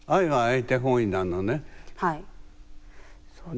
はい。